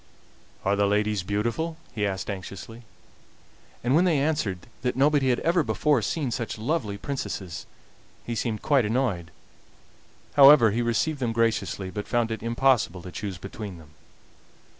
"Are the ladies beautiful?" he asked anxiously. And when they answered that nobody had ever before seen such lovely princesses he seemed quite annoyed. However, he received them graciously, but found it impossible to choose between them.